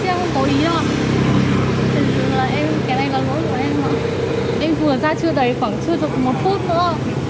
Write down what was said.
thì dù là cái này là lỗi của em mà em vừa ra chưa đầy khoảng chưa được một phút nữa